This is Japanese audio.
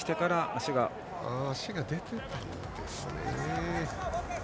足が出ていたんですね。